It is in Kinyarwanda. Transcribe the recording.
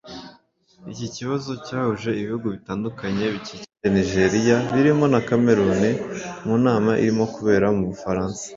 Iki kibazo cyahuje ibihugu bitandukanye bikikije Nijeriya birimo na Cameroun mu nama irimo kubera mu Bufaransa